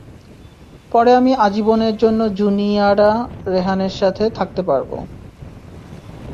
পরে আমি আজীবনের জন্য জুনি আরা রেহানের সাথে থাকতে পারব।